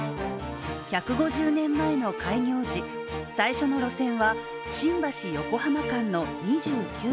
１５０年前の開業時、最初の路線は新橋−横浜間の２９ｋｍ。